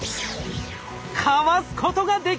かわすことができました！